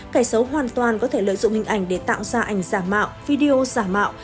cải xấu hoàn toàn có thể lợi dụng hình ảnh để tạo ra ảnh giả mạo video giả mạo